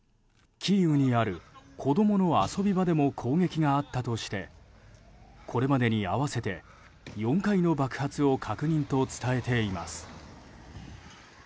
キーウにある子供の遊び場でも攻撃があったとしてこれまでに合わせて４回の爆発を確認と伝えています。